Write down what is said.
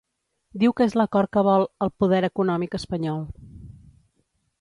Diu que és l’acord que vol ‘el poder econòmic espanyol’.